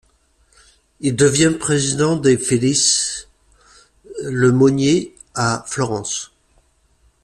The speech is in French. Il devient président des Felice Le Monnier à Florence.